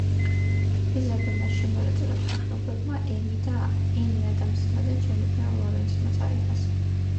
პრიზები მასში მონაწილე მსახიობებმა, ემი ადამსმა და ჯენიფერ ლორენსმაც აიღეს.